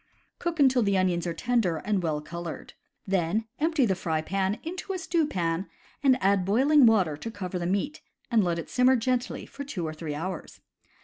Cook until the onions are tender and well colored. Then empty the fry pan into a stew pan and add boiling water to cover the meats and let it simmer gently for two or three hours.